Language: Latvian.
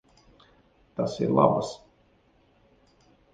Tas ir labas.